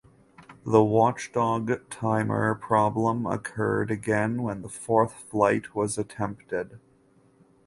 The watchdog timer problem occurred again when the fourth flight was attempted.